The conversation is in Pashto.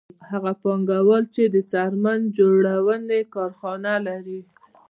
هغه پانګوال چې د څرمن جوړونې کارخانه لري